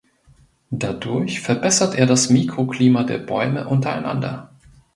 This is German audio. Dadurch verbessert er das Mikroklima der Bäume untereinander.